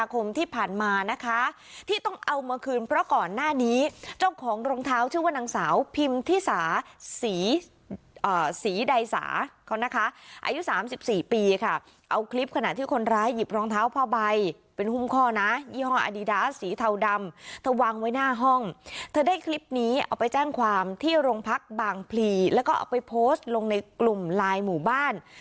คลิปนี้เอาไปแจ้งความที่โรงพักบางพลีแล้วก็เอาไปโพสต์ลงในกลุ่มไลน์หมู่บ้าน